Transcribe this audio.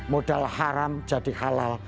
modal haram jadi halal